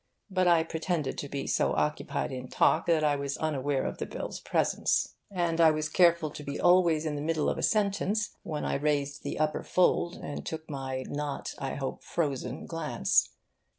But I pretended to be so occupied in talk that I was unaware of the bill's presence; and I was careful to be always in the middle of a sentence when I raised the upper fold and took my not (I hope) frozen glance.